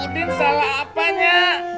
udin salah apa nyak